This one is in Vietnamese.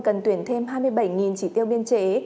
cần tuyển thêm hai mươi bảy chỉ tiêu biên chế